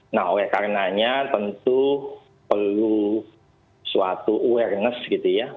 nah oleh karenanya tentu perlu suatu awareness gitu ya